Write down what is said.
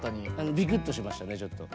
ビクッとしましたねちょっと。